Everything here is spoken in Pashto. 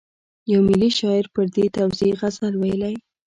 یو محلي شاعر پر دې توزېع غزل ویلی.